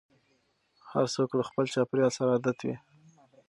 هر څوک له خپل چاپېريال سره عادت وي.